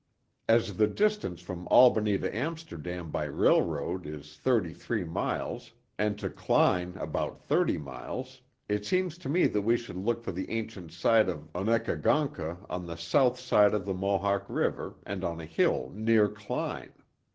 As the distance from Albany to Amsterdam by railroad is thirty three miles, and to Kline about thirty miles, it seems to me that we should look for the ancient site of Onekagoncka on the south side of the Mohawk River and on a hill near Kline.